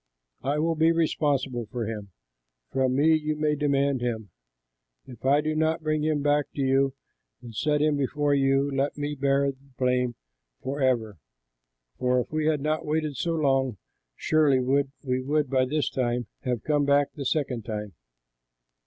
I will be responsible for him; from me you may demand him. If I do not bring him to you and set him before you, let me bear the blame forever; for if we had not waited so long, surely we would by this time have come back the second time."